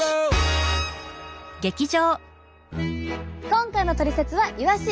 今回のトリセツはイワシ！